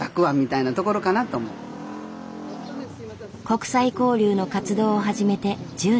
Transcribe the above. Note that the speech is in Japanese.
国際交流の活動を始めて１０年。